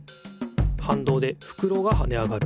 はんどうでふくろがはね上がる。